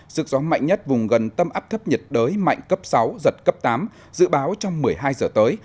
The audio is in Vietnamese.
sức gió mạnh nhất vùng gần tâm áp thấp nhiệt đới mạnh cấp sáu giật cấp tám dự báo trong một mươi hai giờ tới